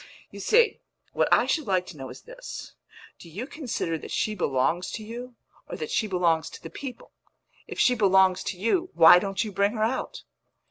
"You see, what I should like to know is this: do you consider that she belongs to you, or that she belongs to the people? If she belongs to you, why don't you bring her out?"